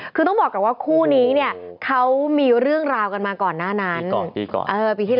คือต้องบอกกันว่าคู่นี้เนี่ยเขามีเรื่องราวกันมาก่อนหน้านั้นอีกก่อนอีกก่อน